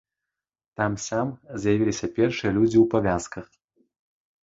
Там-сям з'явіліся першыя людзі ў павязках.